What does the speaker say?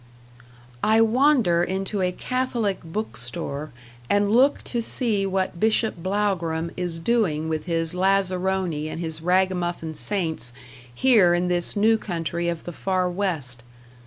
I wander into a Catholic bookstore and look to see what Bishop Blougram is doing with his lazzaroni and his ragamuffin saints here in this new country of the far West.